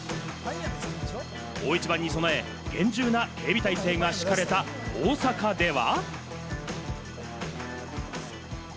大一番に備え、厳重な警備体制が敷かれた大阪では。